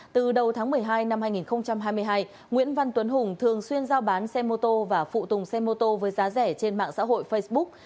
từ đầu tháng một mươi hai năm hai nghìn hai mươi hai nguyễn văn tuấn hùng thường xuyên giao bán xe mô tô và phụ tùng xe mô tô với giá rẻ trên mạng xã hội facebook